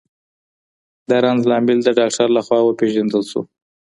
د رنځ لامل د ډاکټر لخوا وپېژندل سو.